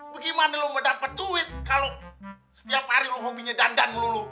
bagaimana lo mau dapat duit kalau setiap hari lo hobinya dandan melulu